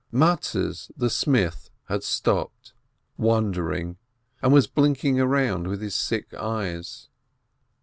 Mattes the smith had stopped, wondering, and was blinking around with his sick eyes.